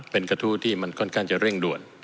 เป็นกระทู้ที่มันค่อนข้างจะเร่งด่วน